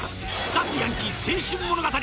脱ヤンキー青春物語。